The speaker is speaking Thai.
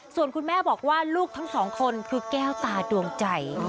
ส่วนคุณแม่บอกว่าลูกทั้งสองคนคือแก้วตาดวงใจ